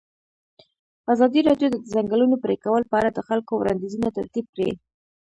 ازادي راډیو د د ځنګلونو پرېکول په اړه د خلکو وړاندیزونه ترتیب کړي.